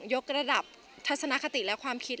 กระดับทัศนคติและความคิด